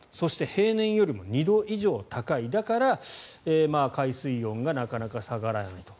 平年より２度以上高いだから、海水温がなかなか下がらないと。